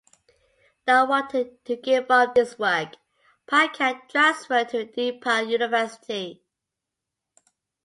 Not wanting to give up this work, Pankow transferred to DePaul University.